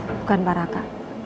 bukan pak raka